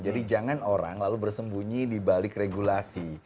jadi jangan orang lalu bersembunyi di balik regulasi